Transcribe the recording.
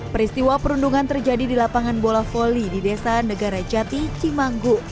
peristiwa perundungan terjadi di lapangan bola volley di desa negara jati cimanggu